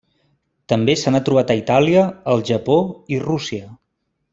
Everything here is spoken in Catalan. També se n'ha trobat a Itàlia, el Japó i Rússia.